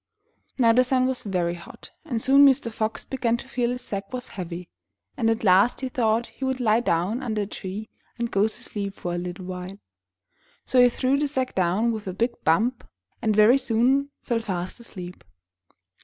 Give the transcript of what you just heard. Now the sun was very hot, and soon Mr. Fox began to feel his sack was heavy, and at last he thought he would lie down under a tree and go to sleep for a little while. So he threw the sack down with a big bump, and very soon fell fast asleep.